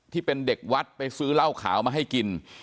ที่เป็นเด็กวัดไปซื้อเหล้าขาวมาให้กิน